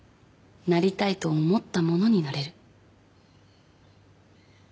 なりたいと思ったものになれる。